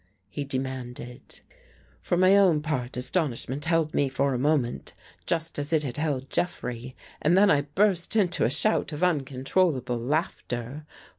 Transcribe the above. " he demanded. For my own part, astonishment held me for a moment, just as it had held Jeffrey, and then I burst into a shout of uncontrollable laughter.